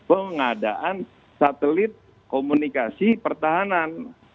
pengadaan satelit komunikasi pertahanan